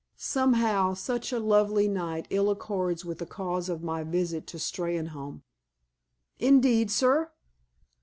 "Somehow, such a lovely night ill accords with the cause of my visit to Steynholme." "In deed, sir?"